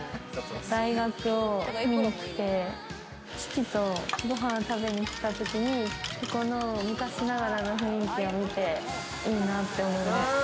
大学を見に来て、父とご飯を食べに来た時に、ここの昔ながらの雰囲気を見て、いいなって思いました。